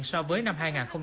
so với năm hai nghìn hai mươi